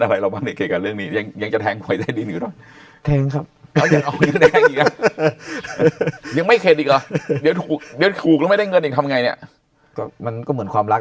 อะไรเราบ้างในการเรื่องนี้จะแท้อย่างมันก็เหมือนความรัก